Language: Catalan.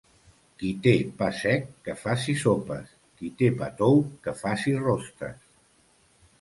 Qui té pa sec que faci sopes, qui té pa tou que faci rostes.